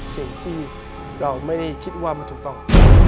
สิ่งที่เราไม่ได้คิดว่ามันถูกต้อง